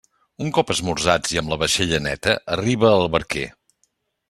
Un cop esmorzats i amb la vaixella neta, arriba el barquer.